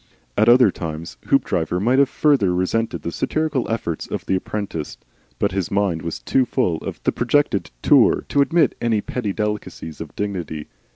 At other times Hoopdriver might have further resented the satirical efforts of the apprentice, but his mind was too full of the projected Tour to admit any petty delicacies of dignity.